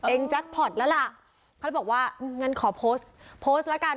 เองจักรพอร์ตแล้วล่ะเขาบอกว่างั้นขอโพสต์โพสต์ละกัน